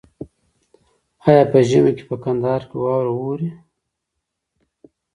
آیا په ژمي کې په کندهار کې واوره اوري؟